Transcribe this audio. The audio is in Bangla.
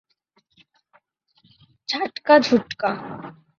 ঝাটকা, ঝুটকা।